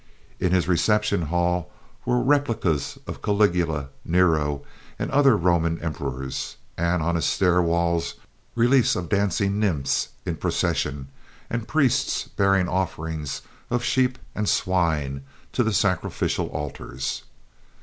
In his reception hall were replicas of Caligula, Nero, and other Roman emperors; and on his stair walls reliefs of dancing nymphs in procession, and priests bearing offerings of sheep and swine to the sacrificial altars.